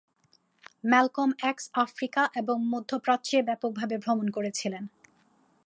Malcolm X Africa এবং মধ্যপ্রাচ্যে ব্যাপকভাবে ভ্রমণ করে ছিলেন।